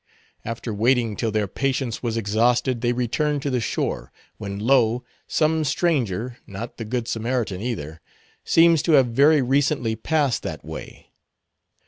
After waiting till their patience was exhausted, they returned to the shore, when lo, some stranger—not the Good Samaritan either—seems to have very recently passed that way.